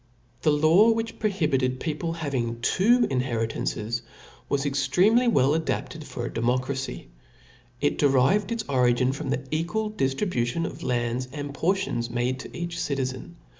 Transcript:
^ The O F L A W S. 63 The law which prohibited people's. having two Book inheritances *, was extremely well adapted for a de chap. 5. mocracy. It derived its origin from the equal diftribution of lands and portions made to each citizen.